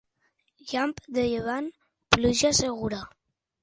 Llamp de llevant, pluja segura.